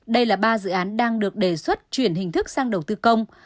đây là ba dự án đang được đề xuất chuyển hình thức sang đầu tư công